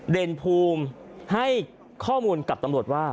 เด่นภูมิให้ข้อมูลกับตำรวจว่า